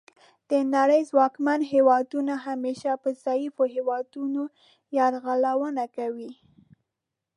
د نړۍ ځواکمن هیوادونه همیشه په ضعیفو هیوادونو یرغلونه کوي